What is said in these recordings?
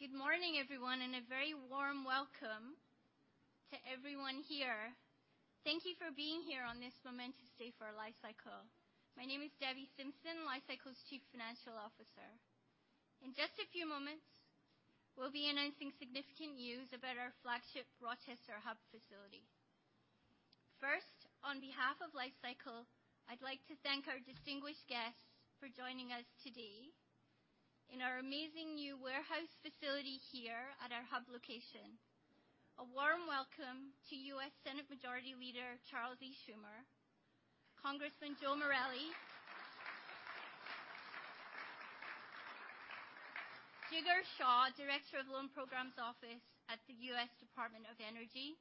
Good morning, everyone, and a very warm welcome to everyone here. Thank you for being here on this momentous day for Li-Cycle. My name is Debbie Simpson, Li-Cycle's Chief Financial Officer. In just a few moments, we'll be announcing significant news about our flagship Rochester Hub facility. First, on behalf of Li-Cycle, I'd like to thank our distinguished guests for joining us today in our amazing new warehouse facility here at our Hub location. A warm welcome to U.S. Senate Majority Leader, Charles E. Schumer, Congressman Joe Morelle. Jigar Shah, Director of Loan Programs Office at the U.S. Department of Energy.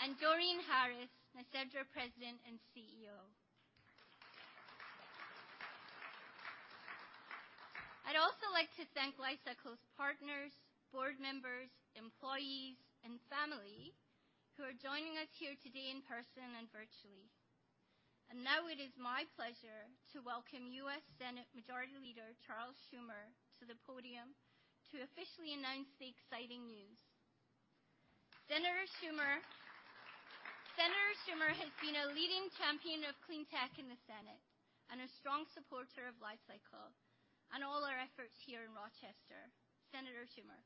And Doreen Harris, NYSERDA President and CEO. I'd also like to thank Li-Cycle's partners, board members, employees, and family who are joining us here today in person and virtually. Now it is my pleasure to welcome U.S. Senate Majority Leader Charles Schumer to the podium to officially announce the exciting news. Senator Schumer, Senator Schumer has been a leading champion of clean tech in the Senate and a strong supporter of Li-Cycle and all our efforts here in Rochester. Senator Schumer.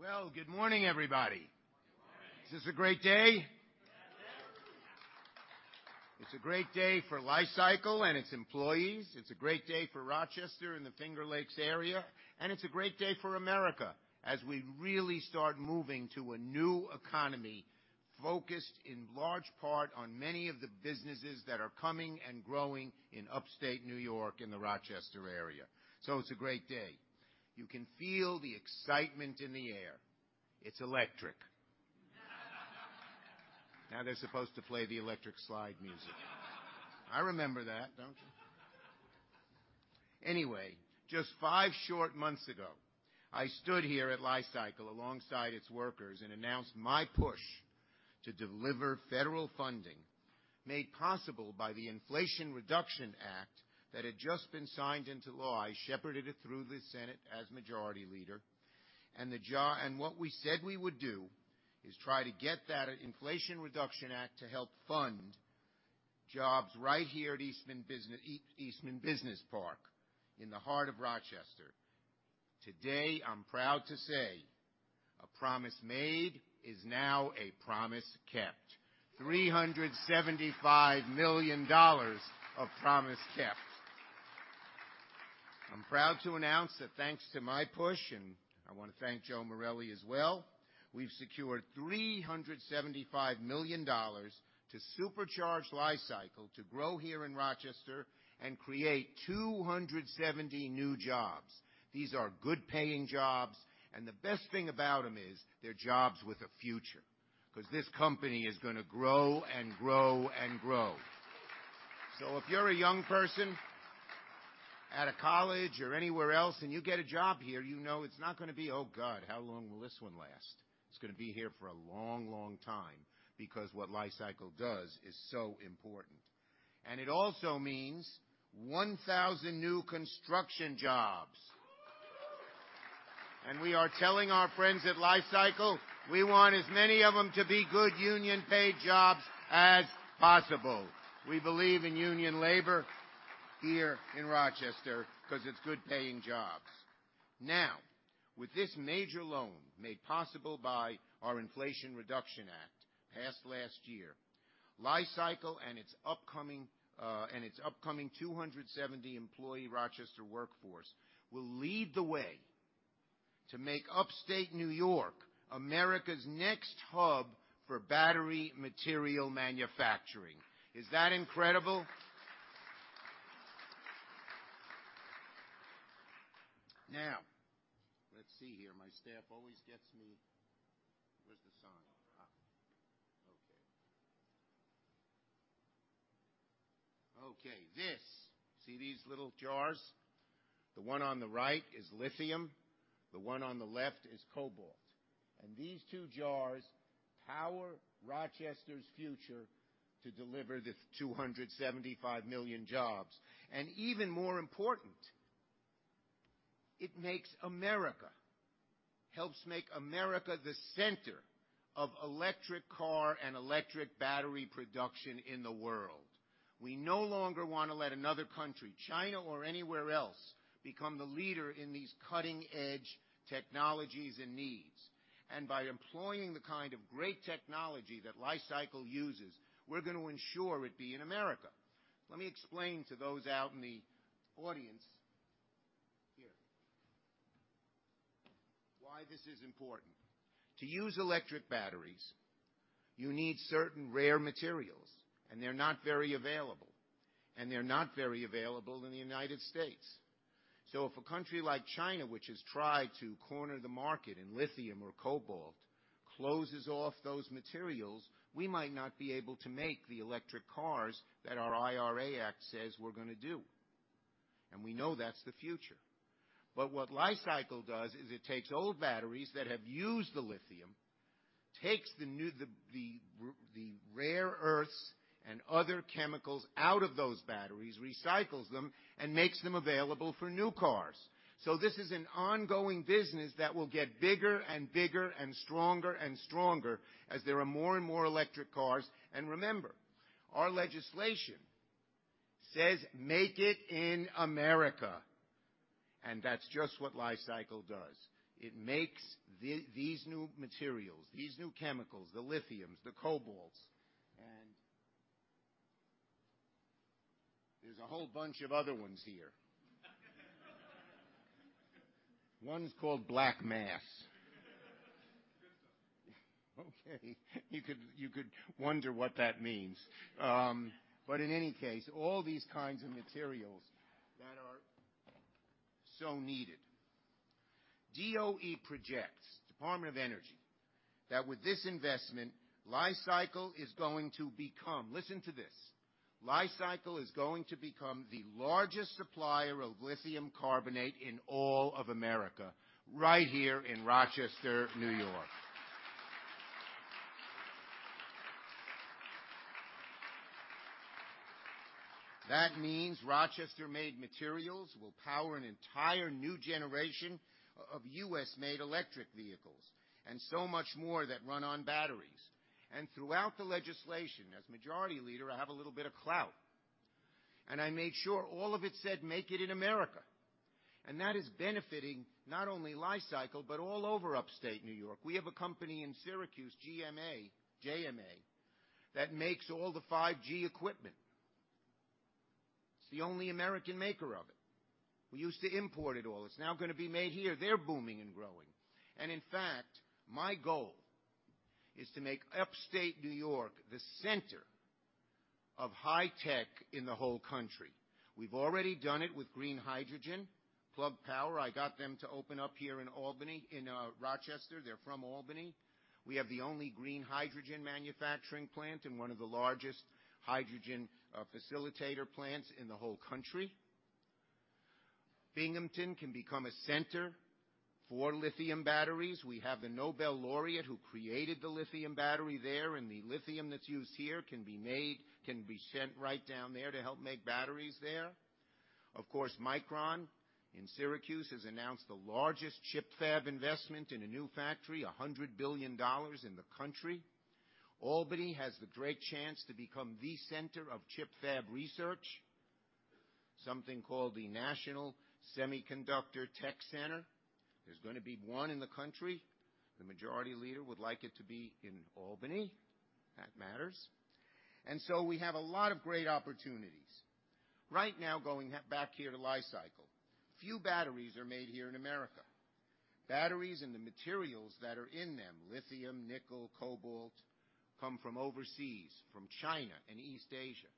Well, good morning, everybody. Is this a great day? It's a great day for Li-Cycle and its employees. It's a great day for Rochester and the Finger Lakes area. It's a great day for America as we really start moving to a new economy focused in large part on many of the businesses that are coming and growing in Upstate New York in the Rochester area. It's a great day. You can feel the excitement in the air. It's electric. Now they're supposed to play the Electric Slide music. I remember that, don't you? Anyway, just five short months ago, I stood here at Li-Cycle alongside its workers and announced my push to deliver federal funding made possible by the Inflation Reduction Act that had just been signed into law. I shepherded it through the Senate as Majority Leader. What we said we would do is try to get that Inflation Reduction Act to help fund jobs right here at Eastman Business Park in the heart of Rochester. Today, I'm proud to say a promise made is now a promise kept. $375 million of promise kept. I'm proud to announce that thanks to my push, and I wanna thank Joe Morelle as well, we've secured $375 million to supercharge Li-Cycle to grow here in Rochester and create 270 new jobs. These are good-paying jobs, and the best thing about them is they're jobs with a future, 'cause this company is gonna grow and grow and grow. If you're a young person out of college or anywhere else, and you get a job here, you know it's not gonna be, Oh, God, how long will this one last? It's gonna be here for a long, long time because what Li-Cycle does is so important. It also means 1,000 new construction jobs. We are telling our friends at Li-Cycle we want as many of them to be good union paid jobs as possible. We believe in union labor here in Rochester 'cause it's good-paying jobs. Now, with this major loan made possible by our Inflation Reduction Act, passed last year, Li-Cycle and its upcoming 270 employee Rochester workforce will lead the way to make Upstate New York America's next hub for battery material manufacturing. Is that incredible? Let's see here. My staff always gets me... Where's the sign? Okay. Okay, this. See these little jars? The one on the right is lithium, the one on the left is cobalt. These two jars power Rochester's future to deliver the 275 million jobs. Even more important, it makes America, helps make America the center of electric car and electric battery production in the world. We no longer wanna let another country, China or anywhere else, become the leader in these cutting-edge technologies and needs. By employing the kind of great technology that Li-Cycle uses, we're gonna ensure it be in America. Let me explain to those out in the audience here why this is important. To use electric batteries, you need certain rare materials, and they're not very available. They're not very available in the United States. If a country like China, which has tried to corner the market in lithium or cobalt, closes off those materials, we might not be able to make the electric cars that our IRA Act says we're gonna do. We know that's the future. But, what Li-Cycle does is it takes old batteries that have used the lithium, takes the rare earths and other chemicals out of those batteries, recycles them, and makes them available for new cars. This is an ongoing business that will get bigger and bigger and stronger and stronger as there are more and more electric cars. Remember, our legislation says, "Make it in America". That's just what Li-Cycle does. It makes these new materials, these new chemicals, the lithiums, the cobalts. There's a whole bunch of other ones here. One's called black mass. You could wonder what that means. In any case, all these kinds of materials that are so needed. DOE projects, Department of Energy, that with this investment, Li-Cycle is going to become... Listen to this. Li-Cycle is going to become the largest supplier of lithium carbonate in all of America right here in Rochester, New York. That means Rochester-made materials will power an entire new generation of U.S.-made electric vehicles and so much more that run on batteries. Throughout the legislation, as Majority Leader, I have a little bit of clout, and I made sure all of it said, "Make it in America". That is benefiting not only Li-Cycle, but all over upstate New York. We have a company in Syracuse, JMA, that makes all the 5G equipment. It's the only American maker of it. We used to import it all. It's now gonna be made here. They're booming and growing. In fact, my goal is to make upstate New York the center of high tech in the whole country. We've already done it with green hydrogen. Plug Power, I got them to open up here in Rochester. They're from Albany. We have the only green hydrogen manufacturing plant and one of the largest hydrogen facilitator plants in the whole country. Binghamton can become a center for lithium batteries. We have the Nobel laureate who created the lithium battery there, and the lithium that's used here can be made, can be sent right down there to help make batteries there. Of course, Micron in Syracuse has announced the largest chip fab investment in a new factory, $100 billion in the country. Albany has the great chance to become the center of chip fab research, something called the National Semiconductor Tech Center. There's gonna be one in the country. The majority leader would like it to be in Albany. That matters. We have a lot of great opportunities. Right now, going back here to Li-Cycle, few batteries are made here in America. Batteries and the materials that are in them, lithium, nickel, cobalt, come from overseas, from China and East Asia.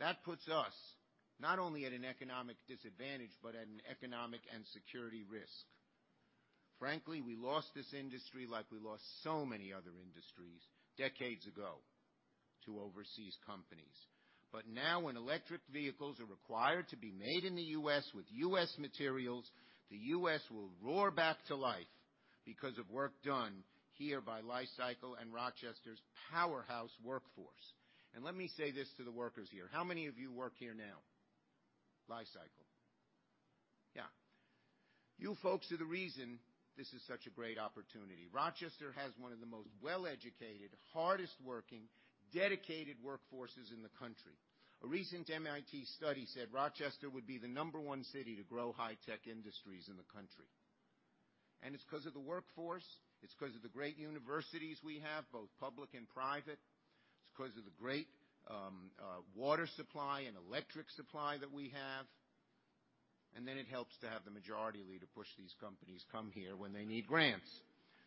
That puts us not only at an economic disadvantage, but at an economic and security risk. Frankly, we lost this industry like we lost so many other industries decades ago to overseas companies. Now, when electric vehicles are required to be made in the U.S. with U.S. materials, the U.S. will roar back to life because of work done here by Li-Cycle and Rochester's powerhouse workforce. Let me say this to the workers here. How many of you work here now? Li-Cycle? Yeah. You folks are the reason this is such a great opportunity. Rochester has one of the most well-educated, hardest-working, dedicated workforces in the country. A recent MIT study said Rochester would be the number one city to grow high-tech industries in the country, and it's 'cause of the workforce. It's 'cause of the great universities we have, both public and private. It's 'cause of the great water supply and electric supply that we have. It helps to have the Majority Leader push these companies come here when they need grants.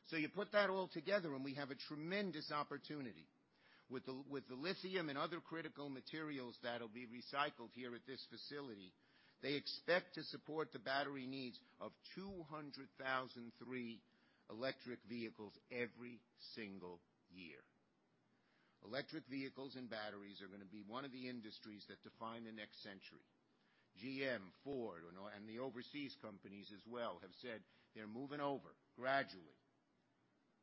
You put that all together, and we have a tremendous opportunity. With the lithium and other critical materials that'll be recycled here at this facility, they expect to support the battery needs of 200,003 electric vehicles every single year. Electric vehicles and batteries are gonna be one of the industries that define the next century. GM, Ford, and the overseas companies as well have said they're moving over gradually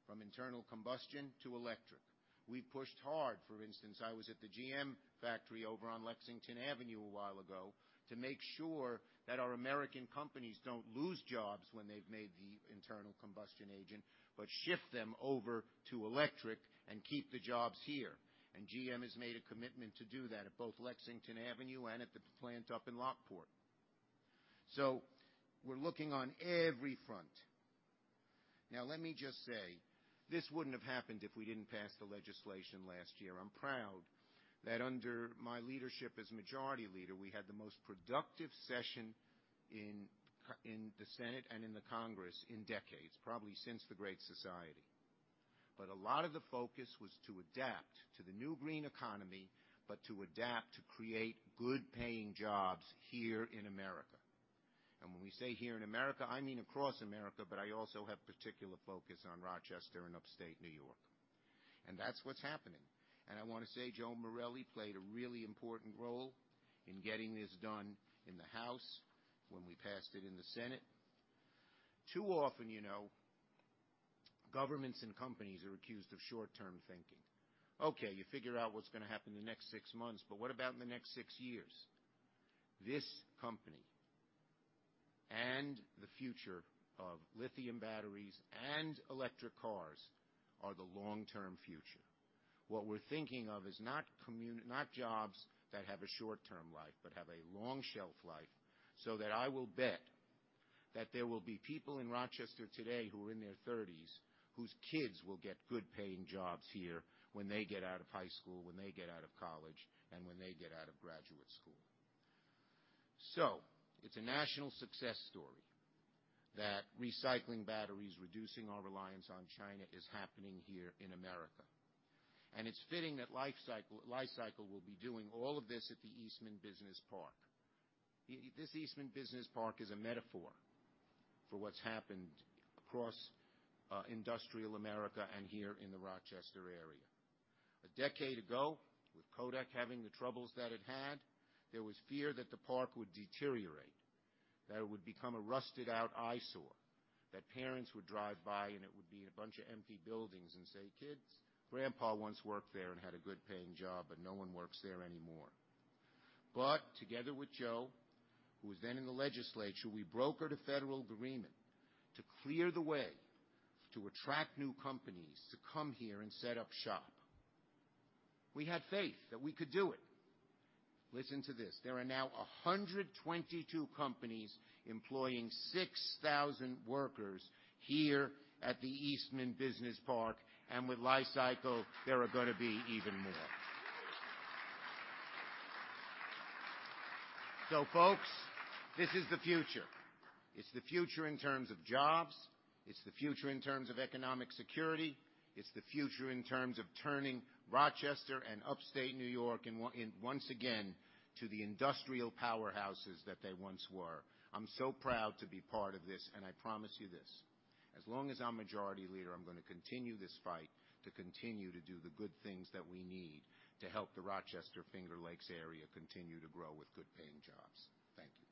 from internal combustion to electric. We've pushed hard. For instance, I was at the GM factory over on Lexington Avenue a while ago to make sure that our American companies don't lose jobs when they've made the internal combustion engine, but shift them over to electric and keep the jobs here. GM has made a commitment to do that at both Lexington Avenue and at the plant up in Lockport. We're looking on every front. Let me just say, this wouldn't have happened if we didn't pass the legislation last year. I'm proud that under my leadership as majority leader, we had the most productive session in the Senate and in the Congress in decades, probably since the Great Society. A lot of the focus was to adapt to the new green economy, but to adapt to create good-paying jobs here in America. When we say here in America, I mean across America, but I also have particular focus on Rochester and Upstate New York. That's what's happening. I want to say Joe Morelle played a really important role in getting this done in the House when we passed it in the Senate. Too often, you know, governments and companies are accused of short-term thinking. Okay, you figure out what's going to happen in the next six months, but what about in the next six years? This company and the future of lithium batteries and electric cars are the long-term future. What we're thinking of is not not jobs that have a short-term life, but have a long shelf life. That I will bet that there will be people in Rochester today who are in their thirties, whose kids will get good-paying jobs here when they get out of high school, when they get out of college, and when they get out of graduate school. It's a national success story that recycling batteries, reducing our reliance on China is happening here in America. It's fitting that Li-Cycle will be doing all of this at the Eastman Business Park. This Eastman Business Park is a metaphor for what's happened across industrial America and here in the Rochester area. A decade ago, with Kodak having the troubles that it had, there was fear that the park would deteriorate, that it would become a rusted-out eyesore, that parents would drive by, and it would be a bunch of empty buildings and say, "Kids, grandpa once worked there and had a good-paying job, but no one works there anymore." Together with Joe, who was then in the legislature, we brokered a federal agreement to clear the way to attract new companies to come here and set up shop. We had faith that we could do it. Listen to this, there are now 122 companies employing 6,000 workers here at the Eastman Business Park. And with Li-Cycle, there are going to be even more. Folks, this is the future. It's the future in terms of jobs, it's the future in terms of economic security. It's the future in terms of turning Rochester and Upstate New York once again to the industrial powerhouses that they once were. I'm so proud to be part of this, and I promise you this, as long as I'm Majority Leader, I'm going to continue this fight to continue to do the good things that we need to help the Rochester Finger Lakes area continue to grow with good-paying jobs. Thank you.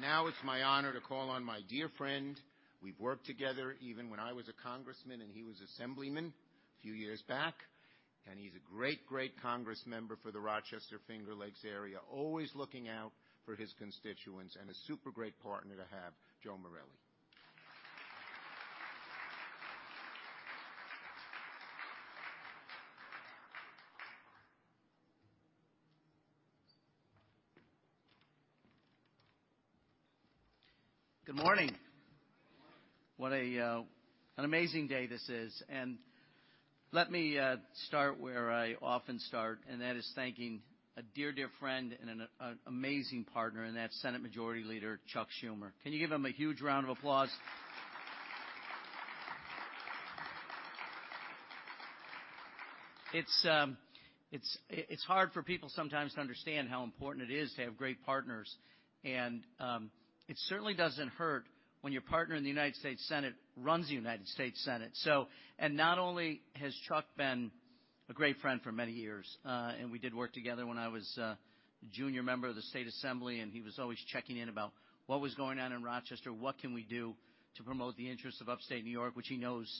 Now it's my honor to call on my dear friend. We've worked together even when I was a Congressman and he was Assemblyman a few years back, and he's a great Congressman for the Rochester Finger Lakes area. Always looking out for his constituents and a super great partner to have, Joe Morelle. Good morning. What an amazing day this is. Let me start where I often start, and that is thanking a dear friend and an amazing partner, and that's Senate Majority Leader Chuck Schumer. Can you give him a huge round of applause? It's hard for people sometimes to understand how important it is to have great partners. It certainly doesn't hurt when your partner in the United States Senate runs the United States Senate. Not only has Chuck been a great friend for many years, and we did work together when I was a junior member of the State Assembly, and he was always checking in about what was going on in Rochester, what can we do to promote the interests of Upstate New York, which he knows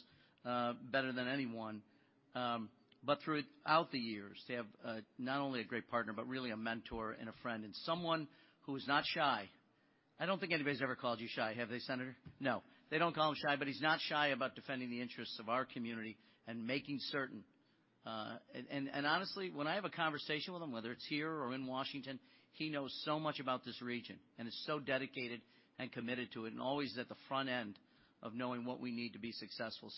better than anyone. Throughout the years, to have not only a great partner, but really a mentor and a friend and someone who is not shy. I don't think anybody's ever called you shy, have they, Senator? No. They don't call him shy, he's not shy about defending the interests of our community and making certain. Honestly, when I have a conversation with him, whether it's here or in Washington, he knows so much about this region and is so dedicated and committed to it, and always at the front end of knowing what we need to be successful.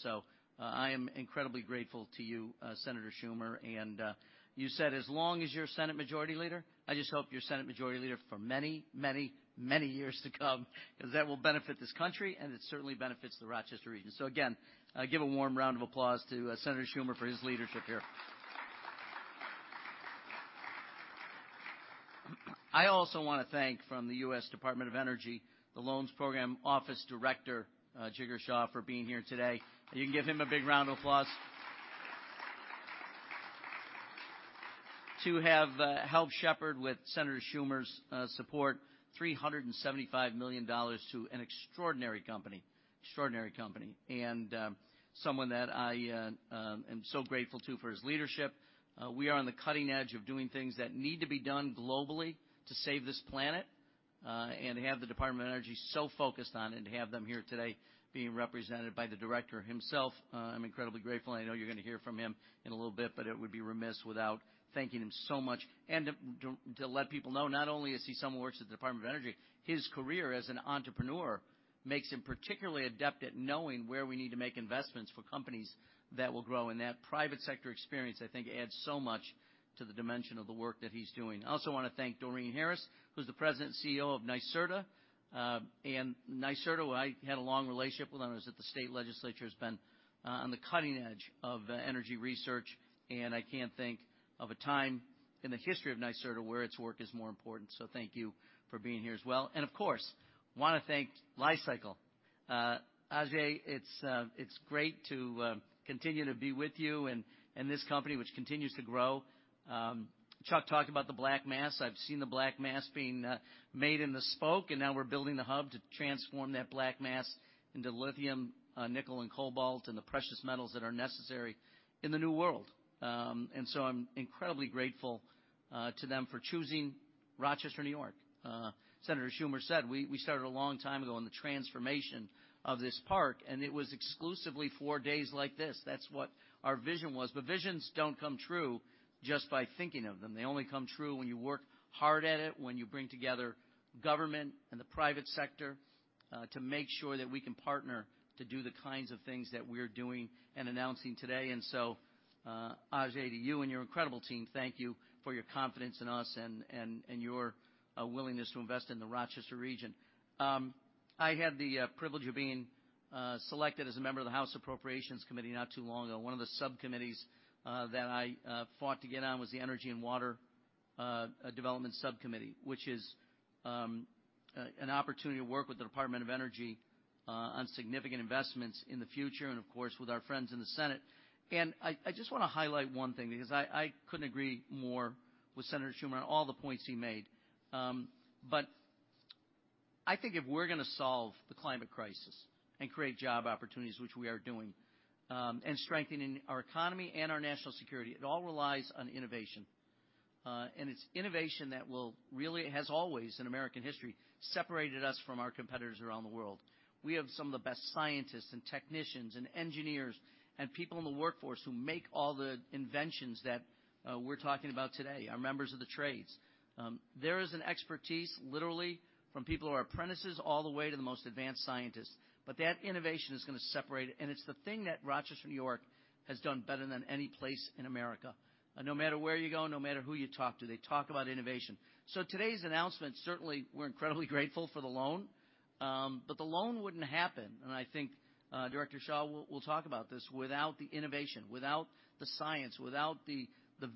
I am incredibly grateful to you, Senator Schumer. You said as long as you're Senate Majority Leader, I just hope you're Senate Majority Leader for many, many, many years to come because that will benefit this country, and it certainly benefits the Rochester region. Again, give a warm round of applause to Senator Schumer for his leadership here. I also want to thank from the U.S. Department of Energy, the Loan Programs Office Director, Jigar Shah, for being here today. You can give him a big round of applause. To have helped shepherd with Senator Schumer's support $375 million to an extraordinary company, and someone that I am so grateful to for his leadership. We are on the cutting edge of doing things that need to be done globally to save this planet. To have the Department of Energy so focused on it and have them here today being represented by the director himself, I'm incredibly grateful, and I know you're going to hear from him in a little bit, but it would be remiss without thanking him so much. To let people know, not only is he someone who works at the Department of Energy, his career as an entrepreneur makes him particularly adept at knowing where we need to make investments for companies that will grow. That private sector experience, I think, adds so much. To the dimension of the work that he's doing. I also want to thank Doreen Harris, who's the President and CEO of NYSERDA. NYSERDA, who I had a long relationship with when I was at the state legislature, has been on the cutting edge of energy research. I can't think of a time in the history of NYSERDA where its work is more important. Thank you for being here as well. Of course, want to thank Li-Cycle. Ajay, it's great to continue to be with you and this company which continues to grow. Chuck talked about the black mass. I've seen the black mass being made in the Spoke, and now we're building the Hub to transform that black mass into lithium, nickel, and cobalt, and the precious metals that are necessary in the new world. I'm incredibly grateful to them for choosing Rochester, New York. Senator Schumer said we started a long time ago on the transformation of this park, and it was exclusively for days like this. That's what our vision was. Visions don't come true just by thinking of them. They only come true when you work hard at it, when you bring together government and the private sector, to make sure that we can partner to do the kinds of things that we're doing and announcing today. Ajay, to you and your incredible team, thank you for your confidence in us and your willingness to invest in the Rochester region. I had the privilege of being selected as a member of the House Appropriations Committee not too long ago. One of the subcommittees that I fought to get on was the Energy and Water Development Subcommittee, which is an opportunity to work with the Department of Energy on significant investments in the future and, of course, with our friends in the Senate. I just want to highlight one thing because I couldn't agree more with Senator Schumer on all the points he made. I think if we're going to solve the climate crisis and create job opportunities, which we are doing, and strengthening our economy and our national security, it all relies on innovation. It's innovation that will really, has always in American history, separated us from our competitors around the world. We have some of the best scientists and technicians and engineers and people in the workforce who make all the inventions that we're talking about today, our members of the trades. There is an expertise, literally from people who are apprentices all the way to the most advanced scientists. That innovation is going to separate it, and it's the thing that Rochester, New York has done better than any place in America. No matter where you go, no matter who you talk to, they talk about innovation. Today's announcement, certainly we're incredibly grateful for the loan, the loan wouldn't happen, and I think Director Shah will talk about this, without the innovation, without the science, without the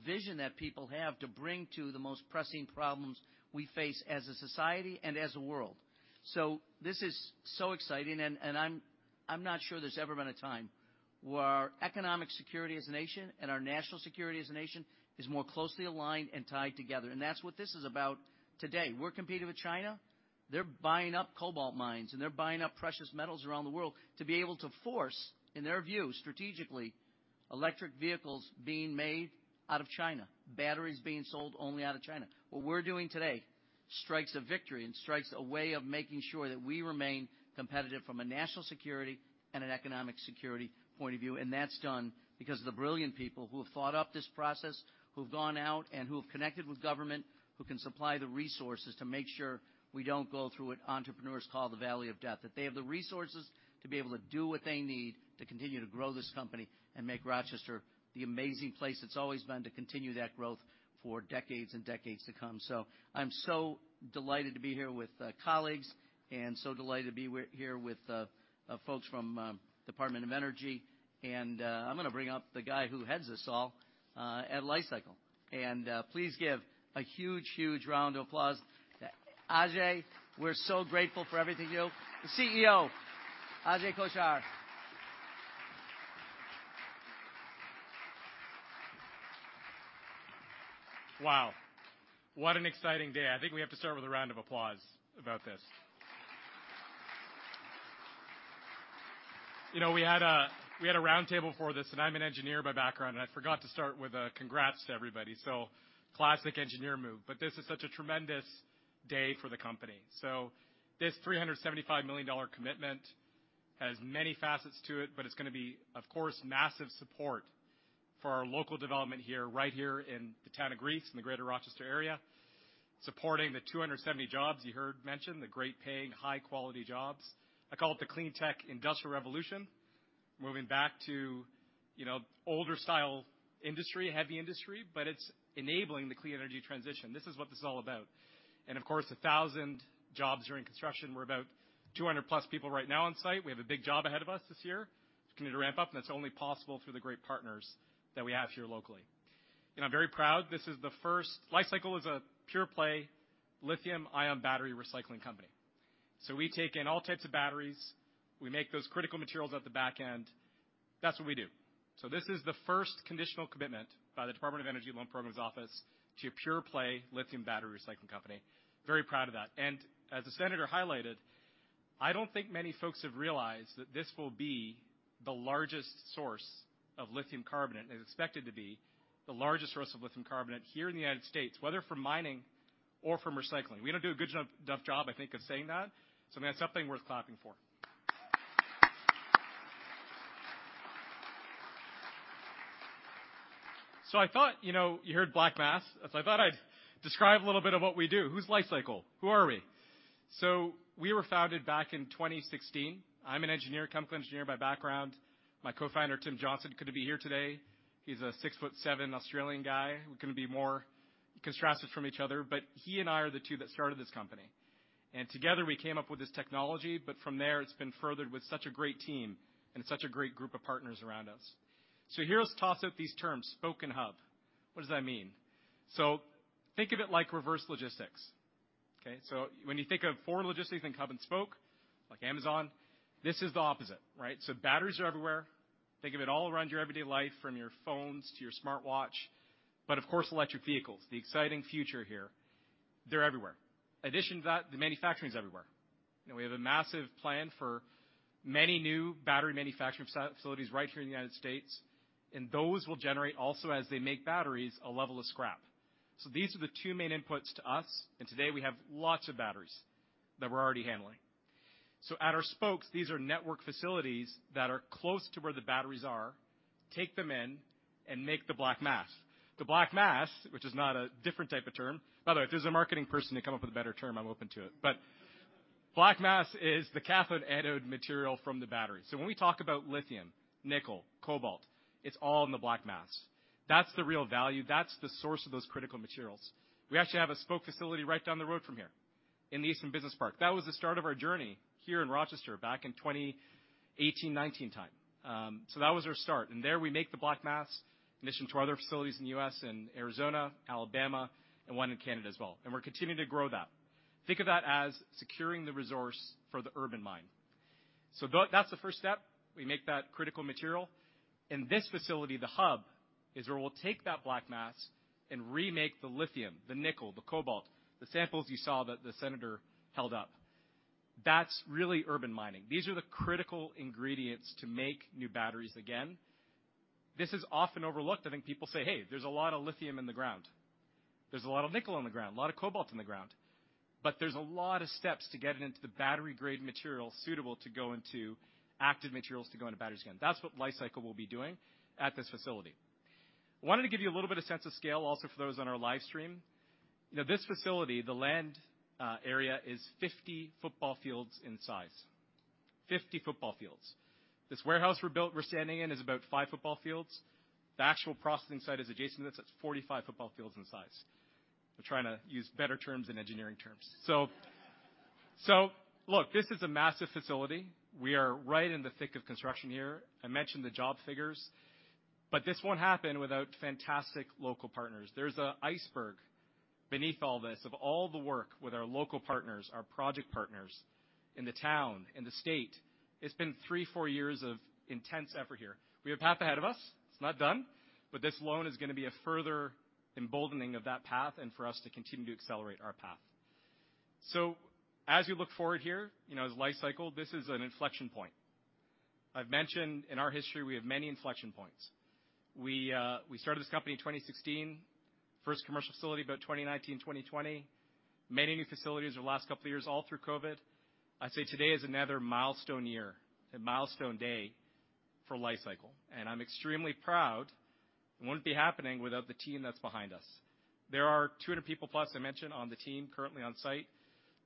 vision that people have to bring to the most pressing problems we face as a society and as a world. This is so exciting and I'm not sure there's ever been a time where our economic security as a nation and our national security as a nation is more closely aligned and tied together. That's what this is about today. We're competing with China. They're buying up cobalt mines, and they're buying up precious metals around the world to be able to force, in their view, strategically electric vehicles being made out of China, batteries being sold only out of China. What we're doing today strikes a victory and strikes a way of making sure that we remain competitive from a national security and an economic security point of view. That's done because of the brilliant people who have thought up this process, who've gone out and who have connected with government, who can supply the resources to make sure we don't go through what entrepreneurs call the valley of death. That they have the resources to be able to do what they need to continue to grow this company and make Rochester the amazing place it's always been to continue that growth for decades and decades to come. I'm so delighted to be here with colleagues and so delighted to be here with folks from Department of Energy. I'm going to bring up the guy who heads this all at Li-Cycle. Please give a huge round of applause to Ajay. We're so grateful for everything you do. The CEO, Ajay Kochhar. Wow! What an exciting day. I think we have to start with a round of applause about this. You know, we had a roundtable for this, and I'm an engineer by background, and I forgot to start with a congrats to everybody. Classic engineer move, but this is such a tremendous day for the company. This $375 million commitment has many facets to it, but it's gonna be, of course, massive support for our local development here, right here in the Town of Greece in the Greater Rochester area, supporting the 270 jobs you heard mentioned, the great paying, high-quality jobs. I call it the clean tech industrial revolution. Moving back to, you know, older style industry, heavy industry, but it's enabling the clean energy transition. This is what this is all about. Of course, 1,000 jobs during construction. We're about 200 plus people right now on site. We have a big job ahead of us this year, continue to ramp up, and it's only possible through the great partners that we have here locally. I'm very proud. This is the first. Li-Cycle is a pure play lithium-ion battery recycling company. We take in all types of batteries. We make those critical materials at the back end. That's what we do. This is the first conditional commitment by the Department of Energy Loan Programs Office to a pure play lithium battery recycling company. Very proud of that. As the senator highlighted, I don't think many folks have realized that this will be the largest source of lithium carbonate. It is expected to be the largest source of lithium carbonate here in the United States, whether from mining or from recycling. We don't do a good enough job, I think, of saying that. I mean, that's something worth clapping for. I thought, you know, you heard black mass. I thought I'd describe a little bit of what we do. Who's Li-Cycle? Who are we? We were founded back in 2016. I'm an engineer, chemical engineer by background. My co-founder, Tim Johnston, couldn't be here today. He's a six-foot-seven Australian guy. We couldn't be more contrasted from each other, but he and I are the two that started this company. Together, we came up with this technology, but from there, it's been furthered with such a great team and such a great group of partners around us. Here, let's toss out these terms, Spoke and Hub. What does that mean? Think of it like reverse logistics. Okay? When you think of forward logistics, think Hub and Spoke, like Amazon. This is the opposite, right? Batteries are everywhere. Think of it all around your everyday life, from your phones to your smartwatch, but of course, electric vehicles, the exciting future here. They're everywhere. Addition to that, the manufacturing is everywhere. You know, we have a massive plan for many new battery manufacturing facilities right here in the United States, and those will generate also as they make batteries, a level of scrap. These are the two main inputs to us, and today we have lots of batteries that we're already handling. At our Spokes, these are network facilities that are close to where the batteries are, take them in and make the black mass. The black mass, which is not a different type of term. By the way, if there's a marketing person to come up with a better term, I'm open to it. Black mass is the cathode, anode material from the battery. When we talk about lithium, nickel, cobalt, it's all in the black mass. That's the real value. That's the source of those critical materials. We actually have a Spoke facility right down the road from here in the Eastman Business Park. That was the start of our journey here in Rochester back in 2018, 2019 time. That was our start. There we make the black mass emission to our other facilities in the U.S. and Arizona, Alabama, and one in Canada as well. We're continuing to grow that. Think of that as securing the resource for the urban mine. That's the first step. We make that critical material. In this facility, the Hub is where we'll take that black mass and remake the lithium, the nickel, the cobalt, the samples you saw that the senator held up. That's really urban mining. These are the critical ingredients to make new batteries again. This is often overlooked. I think people say, "Hey, there's a lot of lithium in the ground. There's a lot of nickel on the ground, a lot of cobalt in the ground." There's a lot of steps to get it into the battery-grade material suitable to go into active materials to go into batteries again. That's what Li-Cycle will be doing at this facility. I wanted to give you a little bit of sense of scale also for those on our live stream. You know, this facility, the land area is 50 football fields in size. 50 football fields. This warehouse we built, we're standing in is about five football fields. The actual processing site is adjacent to this. That's 45 football fields in size. We're trying to use better terms than engineering terms. Look, this is a massive facility. We are right in the thick of construction here. I mentioned the job figures, this won't happen without fantastic local partners. There's an iceberg beneath all this, of all the work with our local partners, our project partners in the town, in the state. It's been three, four years of intense effort here. We have path ahead of us. It's not done, but this loan is gonna be a further emboldening of that path and for us to continue to accelerate our path. As we look forward here, you know, as Li-Cycle, this is an inflection point. I've mentioned in our history, we have many inflection points. We started this company in 2016. First commercial facility about 2019, 2020. Many new facilities over the last couple of years, all through COVID. I'd say today is another milestone year, a milestone day for Li-Cycle, and I'm extremely proud. It wouldn't be happening without the team that's behind us. There are 200+ people I mentioned on the team currently on-site.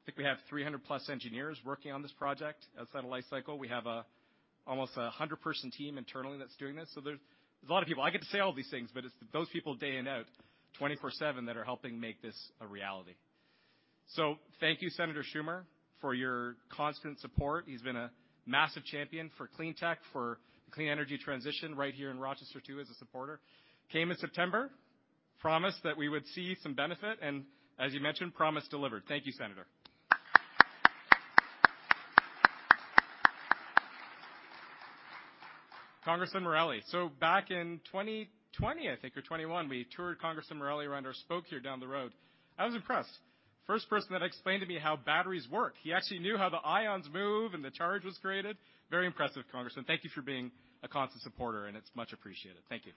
I think we have 300+ engineers working on this project outside of Li-Cycle. We have almost a 100-person team internally that's doing this. There's a lot of people. I get to say all these things, but it's those people day in, out, 24/7 that are helping make this a reality. Thank you, Senator Schumer, for your constant support. He's been a massive champion for clean tech, for clean energy transition right here in Rochester, too, as a supporter. Came in September, promised that we would see some benefit, and as you mentioned, promise delivered. Thank you, Senator. Congressman Morelle. Back in 2020, I think, or 2021, we toured Congressman Morelle around our Spoke here down the road. I was impressed. First person that explained to me how batteries work. He actually knew how the ions move and the charge was created. Very impressive, Congressman. Thank you for being a constant supporter, it's much appreciated. Thank you.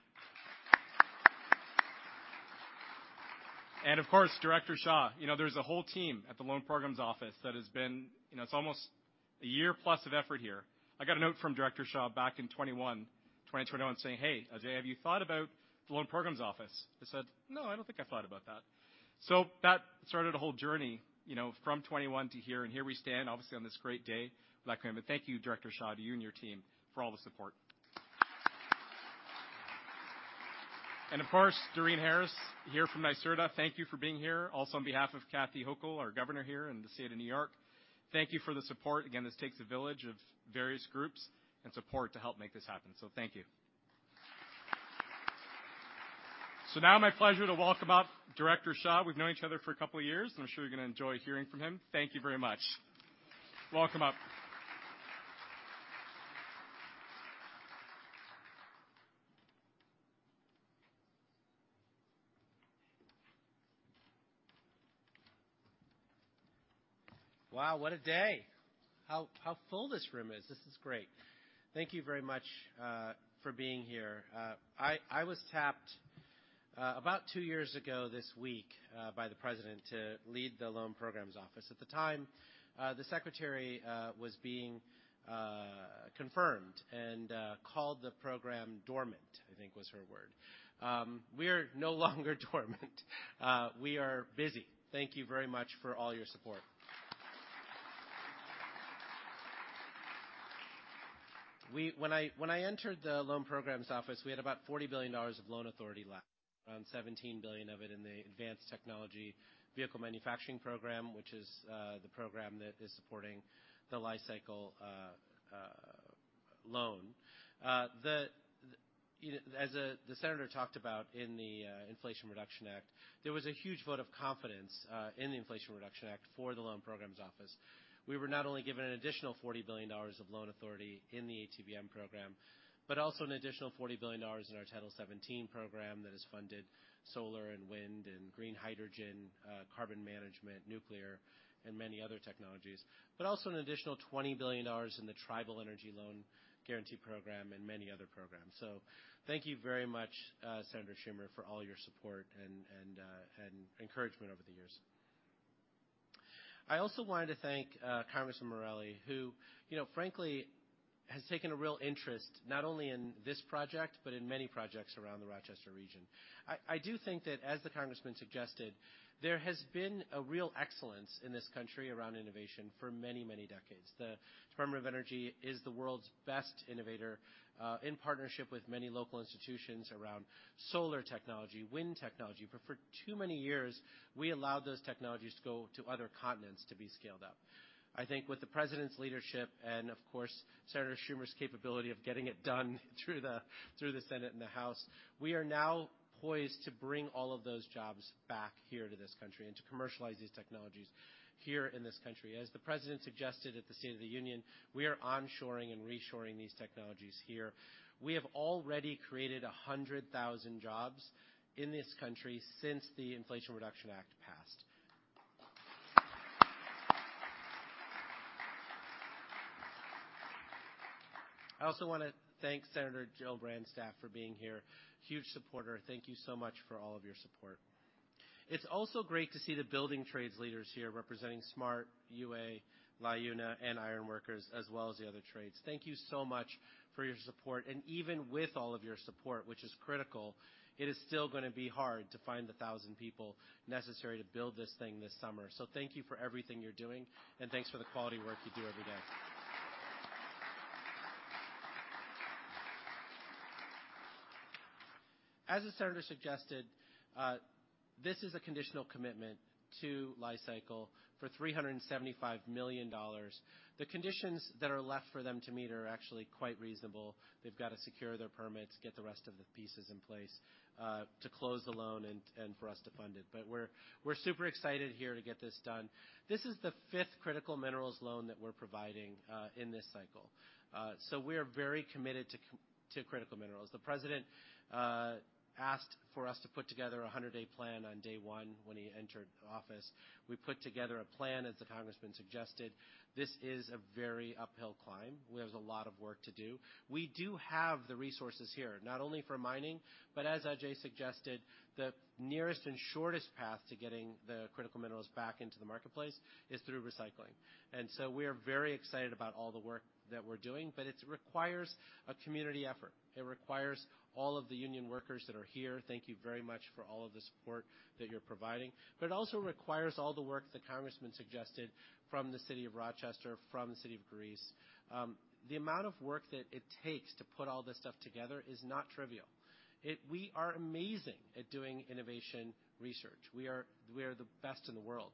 And of course, Director Shah. You know, there's a whole team at the Loan Programs Office that has been. You know, it's almost a year plus of effort here. I got a note from Director Shah back in 2021, 2021 saying, "Hey, Ajay, have you thought about the Loan Programs Office?" I said, "No, I don't think I thought about that." That started a whole journey, you know, from 2021 to here, and here we stand, obviously, on this great day. Thank you, Director Shah, to you and your team for all the support. Of course, Doreen Harris, here from NYSERDA, thank you for being here. Also on behalf of Kathy Hochul, our Governor here in the State of New York, thank you for the support. Again, this takes a village of various groups and support to help make this happen. Thank you. Now my pleasure to welcome up Director Shah. We've known each other for a couple of years, and I'm sure you're going to enjoy hearing from him. Thank you very much. Walk him up. Wow, what a day! How full this room istwo This is great. Thank you very much for being here. I was tapped about two years ago this week by the president to lead the Loan Programs Office. At the time, the secretary was being confirmed and called the program dormant, I think was her word. We're no longer dormant. We are busy. Thank you very much for all your support. When I entered the Loan Programs Office, we had about $40 billion of loan authority left, around $17 billion of it in the Advanced Technology Vehicle Manufacturing Program, which is the program that is supporting the Li-Cycle loan. As the senator talked about in the Inflation Reduction Act, there was a huge vote of confidence in the Inflation Reduction Act for the Loan Programs Office. We were not only given an additional $40 billion of loan authority in the ATVM program, but also an additional $40 billion in our Title 17 program that has funded solar and wind and green hydrogen, carbon management, nuclear, and many other technologies. Also an additional $20 billion in the Tribal Energy Loan Guarantee program and many other programs. Thank you very much, Senator Schumer, for all your support and encouragement over the years. I also wanted to thank Congressman Morelle, who, you know, frankly, has taken a real interest, not only in this project but in many projects around the Rochester region. I do think that, as the Congressman suggested, there has been a real excellence in this country around innovation for many, many decades. The Department of Energy is the world's best innovator, in partnership with many local institutions around solar technology, wind technology. For too many years, we allowed those technologies to go to other continents to be scaled up. I think with the president's leadership and of course, Senator Schumer's capability of getting it done through the, through the Senate and the House, we are now poised to bring all of those jobs back here to this country and to commercialize these technologies here in this country. As the president suggested at the State of the Union, we are onshoring and reshoring these technologies here. We have already created 100,000 jobs in this country since the Inflation Reduction Act passed. I also wanna thank Senator Gillibrand's staff for being here. Huge supporter. Thank you so much for all of your support. It's also great to see the building trades leaders here representing SMART, UA, LiUNA, and Ironworkers, as well as the other trades. Thank you so much for your support. Even with all of your support, which is critical, it is still gonna be hard to find the 1,000 people necessary to build this thing this summer. Thank you for everything you're doing, and thanks for the quality work you do every day. As the senator suggested, this is a conditional commitment to Li-Cycle for $375 million. The conditions that are left for them to meet are actually quite reasonable. They've got to secure their permits, get the rest of the pieces in place to close the loan and for us to fund it. We're super excited here to get this done. This is the fifth critical minerals loan that we're providing in this cycle. We are very committed to critical minerals. The president asked for us to put together a 100-day plan on day 1 when he entered office. We put together a plan, as the congressman suggested. This is a very uphill climb. We have a lot of work to do. We do have the resources here, not only for mining, but as Ajay suggested, the nearest and shortest path to getting the critical minerals back into the marketplace is through recycling. We are very excited about all the work that we're doing, but it requires a community effort. It requires all of the union workers that are here. Thank you very much for all of the support that you're providing. It also requires all the work the Congressman suggested from the city of Rochester, from the city of Greece. The amount of work that it takes to put all this stuff together is not trivial. We are amazing at doing innovation research. We are the best in the world.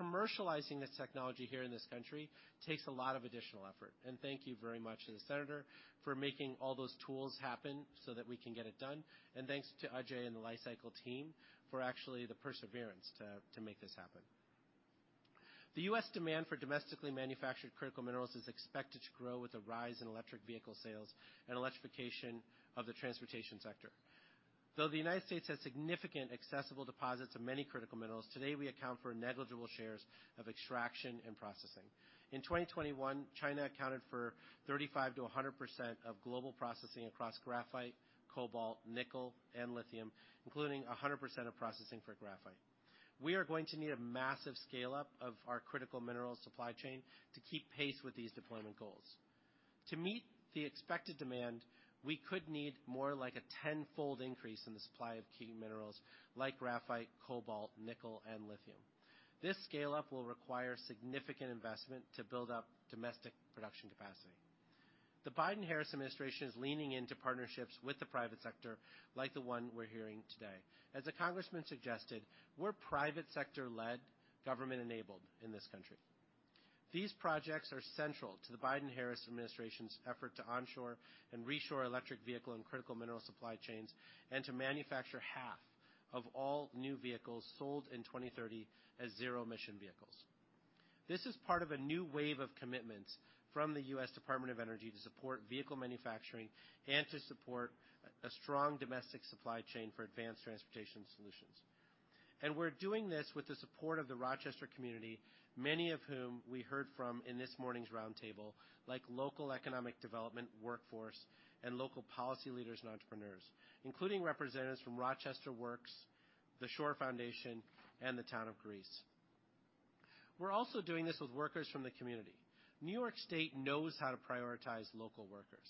Commercializing this technology here in this country takes a lot of additional effort. Thank you very much to the Senator for making all those tools happen so that we can get it done. Thanks to Ajay and the Li-Cycle team for actually the perseverance to make this happen. The U.S. demand for domestically manufactured critical minerals is expected to grow with the rise in electric vehicle sales and electrification of the transportation sector. Though the United States has significant accessible deposits of many critical minerals, today we account for negligible shares of extraction and processing. In 2021, China accounted for 35%-100% of global processing across graphite, cobalt, nickel, and lithium, including 100% of processing for graphite. We are going to need a massive scale-up of our critical minerals supply chain to keep pace with these deployment goals. To meet the expected demand, we could need more like a tenfold increase in the supply of key minerals like graphite, cobalt, nickel, and lithium. This scale-up will require significant investment to build up domestic production capacity. The Biden-Harris Administration is leaning into partnerships with the private sector like the one we're hearing today. As the congressman suggested, we're private sector-led, government-enabled in this country. These projects are central to the Biden-Harris Administration's effort to onshore and reshore electric vehicle and critical mineral supply chains, and to manufacture half of all new vehicles sold in 2030 as zero-emission vehicles. This is part of a new wave of commitments from the U.S. Department of Energy to support vehicle manufacturing and to support a strong domestic supply chain for advanced transportation solutions. We're doing this with the support of the Rochester community, many of whom we heard from in this morning's roundtable, like local economic development workforce and local policy leaders and entrepreneurs, including representatives from RochesterWorks, The Shore Foundation, and the Town of Greece. We're also doing this with workers from the community. New York State knows how to prioritize local workers.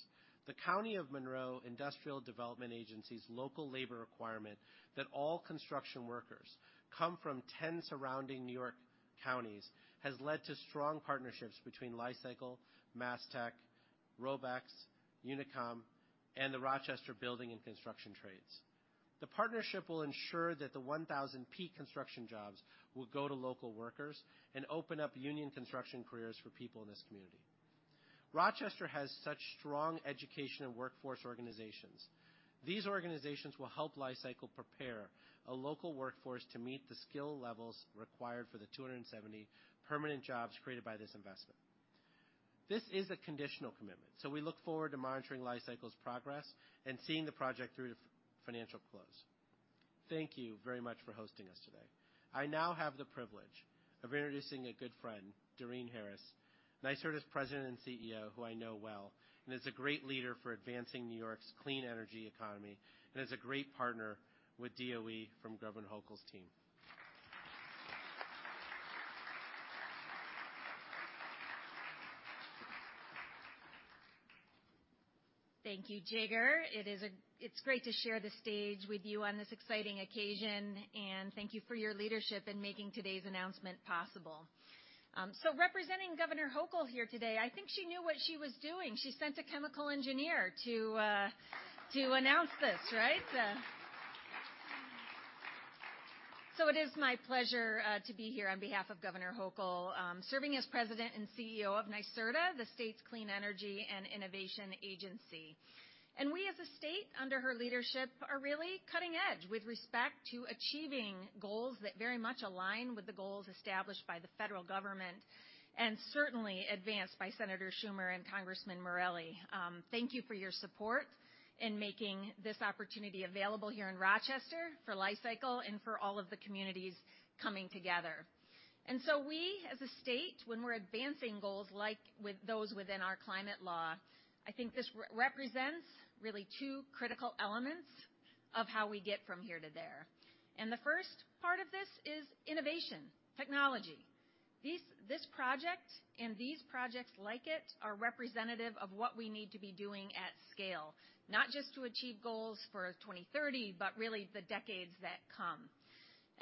The County of Monroe Industrial Development Agency's local labor requirement that all construction workers come from 10 surrounding New York counties has led to strong partnerships between Li-Cycle, MasTec, Robex, UNICOM, and the Rochester Building and Construction Trades. The partnership will ensure that the 1,000 peak construction jobs will go to local workers and open up union construction careers for people in this community. Rochester has such strong education and workforce organizations. These organizations will help Li-Cycle prepare a local workforce to meet the skill levels required for the 270 permanent jobs created by this investment. This is a conditional commitment, we look forward to monitoring Li-Cycle's progress and seeing the project through to financial close. Thank you very much for hosting us today. I now have the privilege of introducing a good friend, Doreen Harris, NYSERDA's President and CEO, who I know well and is a great leader for advancing New York's clean energy economy and is a great partner with DOE from Governor Hochul's team. Thank you, Jigar. It's great to share the stage with you on this exciting occasion, thank you for your leadership in making today's announcement possible. Representing Governor Hochul here today, I think she knew what she was doing. She sent a chemical engineer to announce this, right? It is my pleasure to be here on behalf of Governor Hochul, serving as President and CEO of NYSERDA, the state's clean energy and innovation agency. We, as a state, under her leadership, are really cutting edge with respect to achieving goals that very much align with the goals established by the federal government and certainly advanced by Senator Schumer and Congressman Morelle. Thank you for your support in making this opportunity available here in Rochester for Li-Cycle and for all of the communities coming together. We, as a state, when we're advancing goals like with those within our climate law, I think this re-represents really two critical elements of how we get from here to there. The first part of this is innovation, technology. This project and these projects like it are representative of what we need to be doing at scale, not just to achieve goals for 2030, but really the decades that come.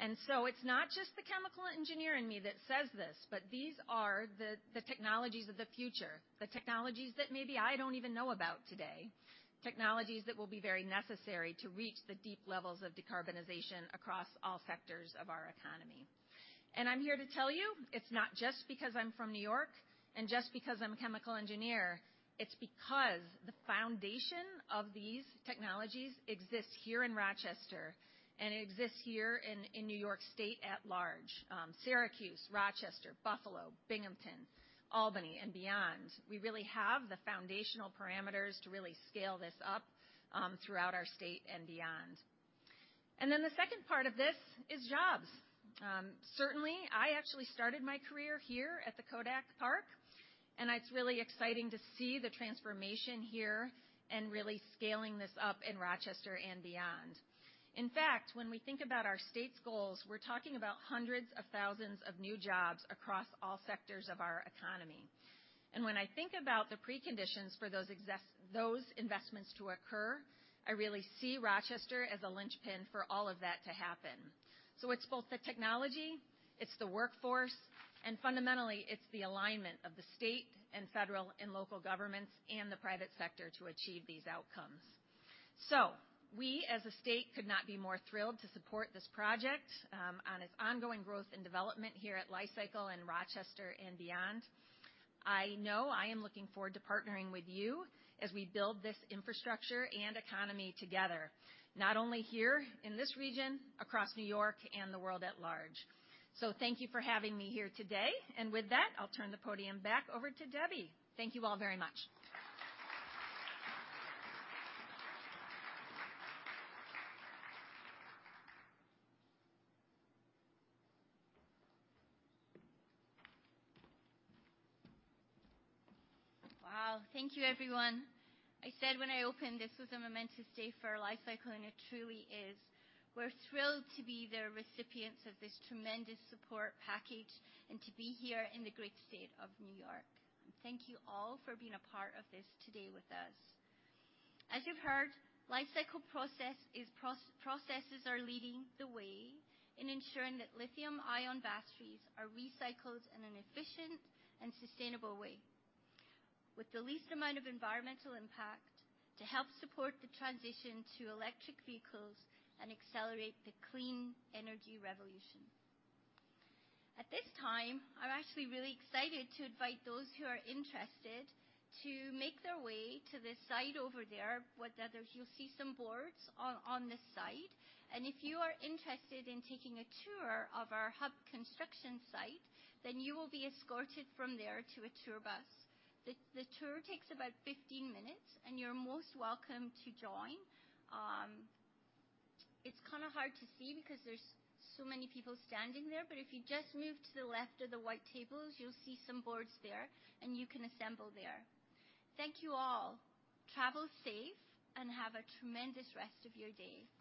It's not just the chemical engineer in me that says this, but these are the technologies of the future, the technologies that maybe I don't even know about today. Technologies that will be very necessary to reach the deep levels of decarbonization across all sectors of our economy. I'm here to tell you, it's not just because I'm from New York and just because I'm a chemical engineer, it's because the foundation of these technologies exists here in Rochester and it exists here in New York State at large. Syracuse, Rochester, Buffalo, Binghamton, Albany, and beyond. We really have the foundational parameters to really scale this up throughout our state and beyond. Then the second part of this is jobs. Certainly, I actually started my career here at the Kodak Park, and it's really exciting to see the transformation here and really scaling this up in Rochester and beyond. In fact, when we think about our state's goals, we're talking about hundreds of thousands of new jobs across all sectors of our economy. When I think about the preconditions for those investments to occur, I really see Rochester as a linchpin for all of that to happen. It's both the technology, it's the workforce, and fundamentally, it's the alignment of the state and federal and local governments and the private sector to achieve these outcomes. We, as a state, could not be more thrilled to support this project on its ongoing growth and development here at Li-Cycle in Rochester and beyond. I know I am looking forward to partnering with you as we build this infrastructure and economy together, not only here in this region, across New York and the world at large. Thank you for having me here today. With that, I'll turn the podium back over to Debbie. Thank you all very much. Wow. Thank you everyone. I said when I opened this was a momentous day for Li-Cycle. It truly is. We're thrilled to be the recipients of this tremendous support package and to be here in the great state of New York. Thank you all for being a part of this today with us. As you've heard, Li-Cycle processes are leading the way in ensuring that lithium-ion batteries are recycled in an efficient and sustainable way with the least amount of environmental impact to help support the transition to electric vehicles and accelerate the clean energy revolution. At this time, I'm actually really excited to invite those who are interested to make their way to the side over there. You'll see some boards on this side. If you are interested in taking a tour of our Hub construction site, then you will be escorted from there to a tour bus. The tour takes about 15 minutes, and you're most welcome to join. It's kinda hard to see because there's so many people standing there. If you just move to the left of the white tables, you'll see some boards there, and you can assemble there. Thank you all. Travel safe and have a tremendous rest of your day.